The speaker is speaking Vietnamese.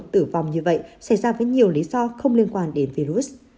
tử vong như vậy xảy ra với nhiều lý do không liên quan đến virus